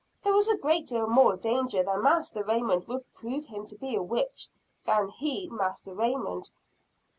There was a great deal more danger that Master Raymond would prove him to be a witch, than he Master Raymond."